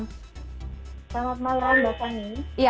selamat malam mbak pani